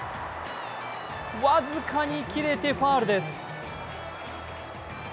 僅かに切れてファウルです。